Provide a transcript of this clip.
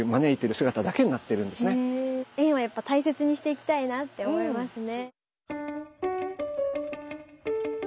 縁はやっぱ大切にしていきたいなって思いますね。